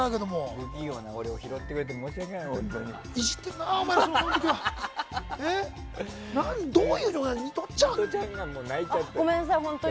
不器用な俺を拾ってくれて申し訳ない、本当に。